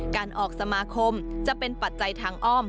การออกสมาคมจะเป็นปัจจัยทางอ้อม